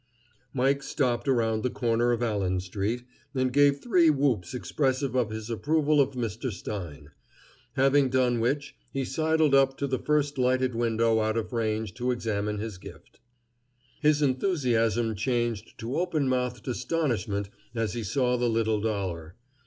Mike stopped around the corner of Allen street, and gave three whoops expressive of his approval of Mr. Stein; having done which, he sidled up to the first lighted window out of range to examine his gift. His enthusiasm changed to open mouthed astonishment as he saw the little dollar.